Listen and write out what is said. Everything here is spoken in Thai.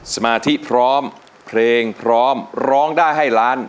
สมาธิพร้อมเพลงพร้อมร้องได้ให้ล้าน